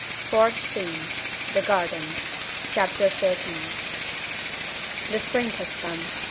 Fourth Scene The Garden. Chapter 13. The spring has come.